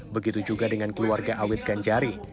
begitu juga dengan keluarga awit ganjari